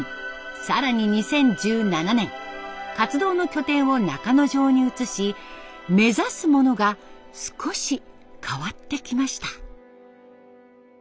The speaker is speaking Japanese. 更に２０１７年活動の拠点を中之条に移し目指すものが少し変わってきました。